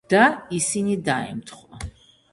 და ისინი დაემთხვა.